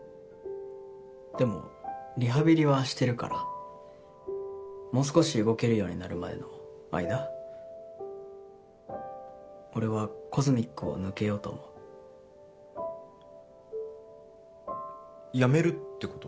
でもリハビリはしてるからもう少し動けるようになるまでの間俺はＣＯＳＭＩＣを抜けようと思うやめるってこと？